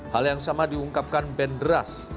hal yang sama diungkapkan band ras